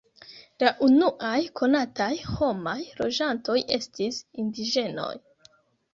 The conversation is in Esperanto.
La unuaj konataj homaj loĝantoj estis indiĝenoj.